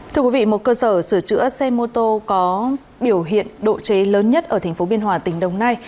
thưa quý vị một cơ sở sửa chữa xe mô tô có biểu hiện độ chế lớn nhất ở tp biên hòa tỉnh đồng nai